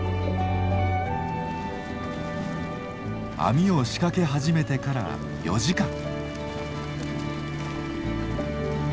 網を仕掛け始めてから４時間。